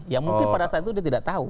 yang mungkin pada saat itu dia tidak tahu